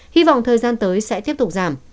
hy vọng thời gian tới sẽ tiếp tục giảm